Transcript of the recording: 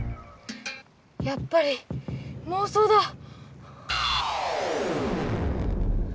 やっぱりもう想だ！